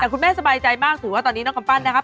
แต่คุณแม่สบายใจมากถือว่าตอนนี้น้องกำปั้นนะครับ